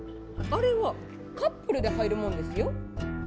あれはカップルで入るもんですよ。